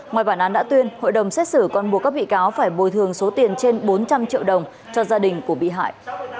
ngoài bản án đã tuyên hội đồng xét xử còn buộc các bị cáo phải bồi thường số tiền trên bốn trăm linh triệu đồng cho gia đình của bị hại